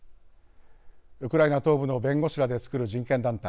ウクライナ東部の弁護士らでつくる人権団体